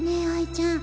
ちゃん